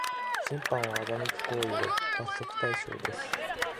審判を欺く行為は罰則対象です